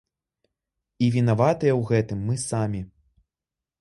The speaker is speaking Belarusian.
І вінаватыя ў гэтым мы самі.